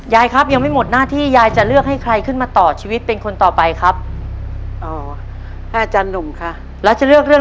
ยายเวลามันเดินไปเรื่อยเรื่อยนะจ๋ายายไปลูกเออ